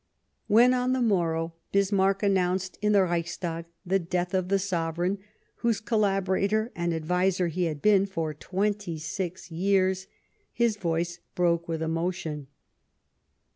When, on the morrow, Bismarck announced in the Reichstag the death of the Sovereign whose 'col laborator and adviser he had been for twenty six years, his voice broke with emotion.